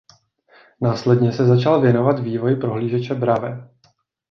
Následně se začal věnovat vývoji prohlížeče Brave.